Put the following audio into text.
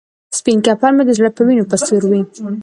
سپین کفن مې د زړه په وینو به سور وي.